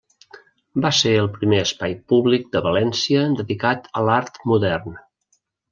Va ser el primer espai públic de València dedicat a l'art modern.